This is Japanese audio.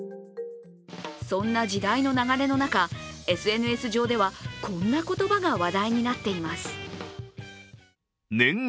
そんな時代の流れの中、ＳＮＳ上では、こんな言葉が話題になっています。